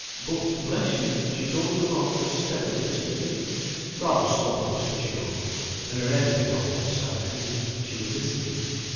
But, bless you! she goes along as steadily as can be; rather slow, to be sure, and her head a bit on one side as if she were listening.